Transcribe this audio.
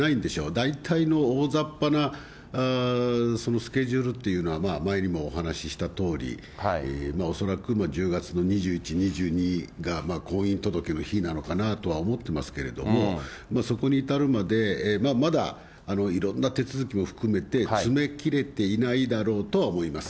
大体のおおざっぱなスケジュールっていうのは前にもお話ししたとおり、恐らく１０月の２１、２２が、婚姻届の日なのかなと思ってますけれども、そこに至るまで、まだいろんな手続きも含めて、詰めきれていないだろうとは思います。